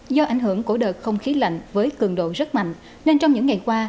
do ảnh hưởng của đợt không khí lạnh với cường độ rất mạnh nên trong những ngày qua